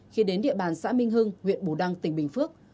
khi đến địa bàn xã minh hưng huyện bù đăng tỉnh bình phước